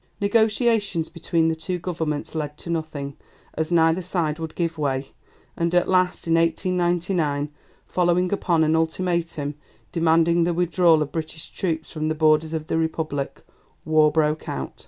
Negotiations between the two Governments led to nothing, as neither side would give way, and at last, in 1899, following upon an ultimatum demanding the withdrawal of British troops from the borders of the Republic, war broke out.